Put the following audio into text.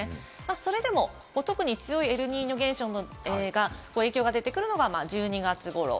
それでも特に強いエルニーニョ現象の影響が出てくるのが１２月ごろ。